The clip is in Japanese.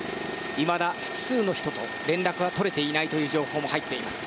いまだ複数の人と連絡が取れていないという情報も入っています。